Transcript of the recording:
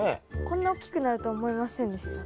こんな大きくなると思いませんでした。